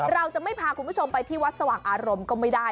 เราจะไม่พาคุณผู้ชมไปที่วัดสว่างอารมณ์ก็ไม่ได้